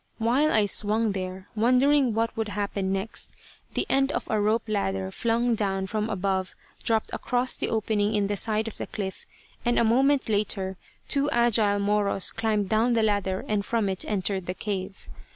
While I swung there, wondering what would happen next, the end of a rope ladder flung down from above dropped across the opening in the side of the cliff, and a moment later two agile Moros climbed down the ladder and from it entered the cave.